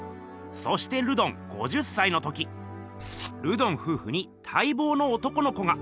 そしてルドン５０歳の時ルドンふうふにたいぼうの男の子が。